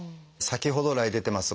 先ほど来出てます